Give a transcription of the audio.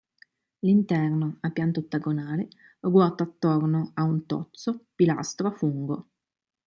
L'interno, a pianta ottagonale, ruota attorno a un tozzo pilastro a fungo.